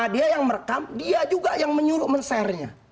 dia yang merekam dia juga yang menyuruh menshare nya